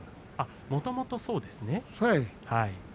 もともとそうなんですね。